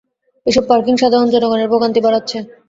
এসব পার্কিং সাধারণ জনগণের ভোগান্তি বাড়াচ্ছে।